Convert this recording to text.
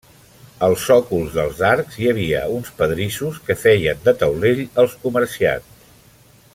Als sòcols dels arcs hi havia uns pedrissos que feien de taulell als comerciants.